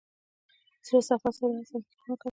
زړه صفا ساته، حسد او کینه مه کوه.